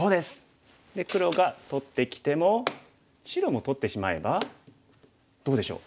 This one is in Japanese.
で黒が取ってきても白も取ってしまえばどうでしょう？